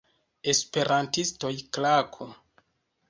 Esperantistoj klaku!